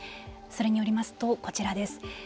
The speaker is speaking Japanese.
それによりますとこちらです。